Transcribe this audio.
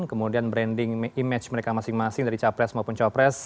kemudian branding image mereka masing masing dari capres maupun copres